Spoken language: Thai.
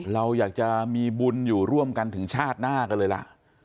เราอยากจะมีบุญอยู่ร่วมกันถึงชาติหน้ากันเลยล่ะ